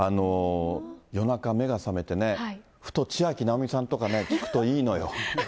夜中、目が覚めてね、ふと、ちあきなおみさんとか聴くといいのよ。